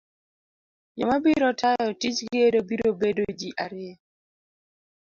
Joma biro tayo tij gedo biro bedo ji ariyo.